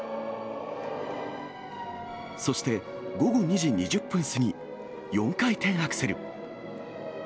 そして午後２時２０分過ぎ、４回転アクセル。